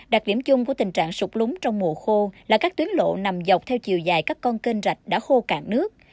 đặc điểm chung của tình trạng sụp lúng trong mùa khô là các tuyến lộ nằm dọc theo chiều dài các con kênh rạch đã khô cạn nước